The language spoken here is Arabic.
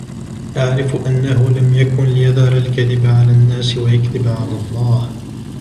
أَعْرِفُ أَنَّهُ لَمْ يَكُنْ لِيَذَرَ الْكَذِبَ عَلَى النَّاسِ وَيَكْذِبَ عَلَى اللَّهِ.